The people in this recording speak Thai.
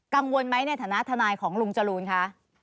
กังวลไหมในฐานะทนายของลุงจรูนคะ